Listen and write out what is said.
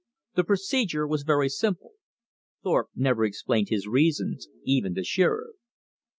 The procedure was very simple. Thorpe never explained his reasons even to Shearer.